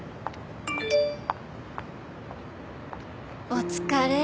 「お疲れ。